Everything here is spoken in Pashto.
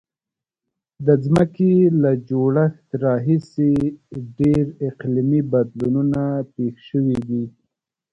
د ځمکې له جوړښت راهیسې ډیر اقلیمي بدلونونه پیښ شوي دي.